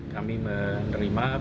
kami menerima pemberitahuan